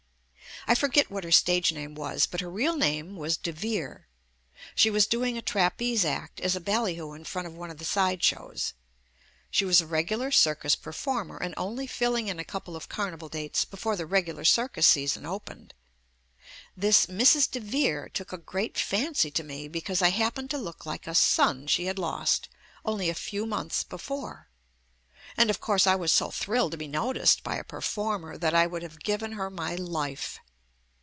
I forget what her stage name was but her real name was DeVere. She was doing a trapeze act as a ballyhoo in front of one of the side shows. She was a regular circus per former and only filling in a couple of carnival dates before the regular circus season opened. This Mrs. DeVere took a great fancy to me because I happened to look like a son she had lost only a few months before! and of course I was so thrilled to be noticed by a performer that I would have given her my life.